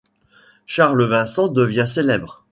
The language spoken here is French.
Charles Vincent devient célèbre.